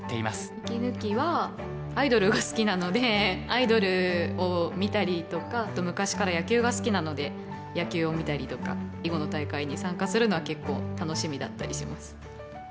息抜きはアイドルが好きなのでアイドルを見たりとかあと昔から野球が好きなので野球を見たりとか囲碁の大会に参加するのは結構楽しみだったりします。